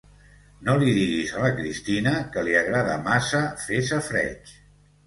No li diguis a la Cristina, que li agrada massa fer safareig.